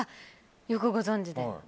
よくご存じで。